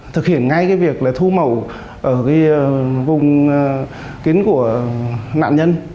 thực hiện ngay việc thu màu ở vùng kín của nạn nhân